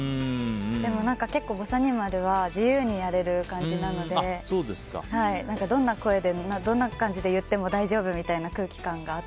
でも、「ぼさにまる」は自由にやれる感じなのでどんな声でもどんな感じで言っても大丈夫みたいな空気感があって。